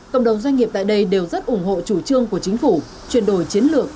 cộng đồng doanh nghiệp tại đây đều rất ủng hộ chủ trương của chính phủ chuyển đổi chiến lược